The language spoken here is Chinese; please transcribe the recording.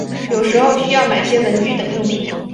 有时候需要买些文具等用品